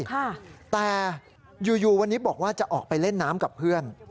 แต่อยู่อยู่วันนี้บอกว่าจะออกไปเล่นน้ำกับเพื่อน